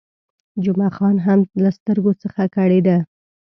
جمعه خان هم له سترګو څخه کړېده.